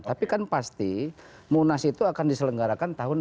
tapi kan pasti munas itu akan diselenggarakan tahun dua ribu dua puluh